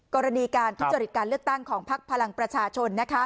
กรณีการทุจริตการเลือกตั้งของพักพลังประชาชน